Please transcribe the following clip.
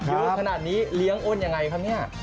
ยืนขนาดนี้เลี้ยงอ้นอย่างไรครับนี่